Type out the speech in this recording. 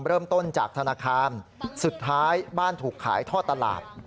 เริ่มต้นจากธนาคารสุดท้ายบ้านถูกขายท่อตลาด